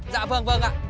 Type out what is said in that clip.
dạ vâng vâng ạ